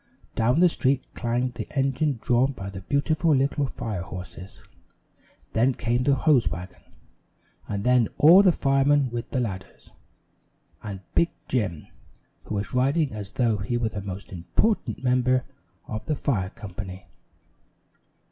Down the street clanged the engine drawn by the beautiful little fire horses. Then came the hose wagon, and then all the firemen with the ladders, and Big Jim, who was riding as though he were the most important member of the fire company.